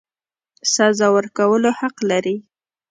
سزا ورکولو حق لري.